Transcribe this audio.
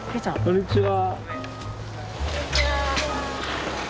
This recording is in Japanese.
こんにちは。